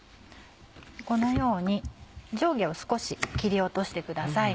このように上下を少し切り落としてください。